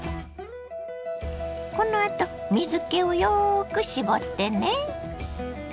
このあと水けをよく絞ってね。